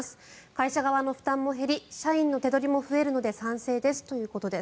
会社側の負担も減り社員の手取りも増えるので賛成ですということです。